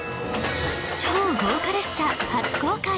超豪華列車初公開！